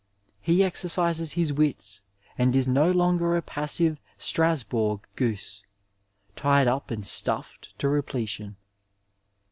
He exercises his wits and is no longer a pas sive Strasbourg goose, tied up and stuffed to repletion.